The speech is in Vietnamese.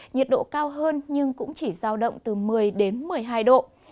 nhiệt độ cao hơn nhưng cũng chỉ giao động từ một mươi đến một mươi hai độ